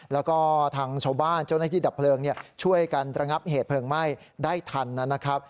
แล้วก็ทางชาวบ้านเจ้าหน้าที่ดับเพลิงช่วยกันระงับเหตุเพลิงไหม้ได้ทันนะครับ